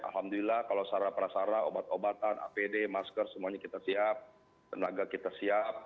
alhamdulillah kalau sara prasara obat obatan apd masker semuanya kita siap tenaga kita siap